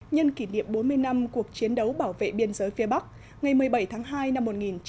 nhân kỷ niệm bốn mươi năm cuộc chiến đấu bảo vệ biên giới phía bắc ngày một mươi bảy tháng hai năm một nghìn chín trăm bảy mươi năm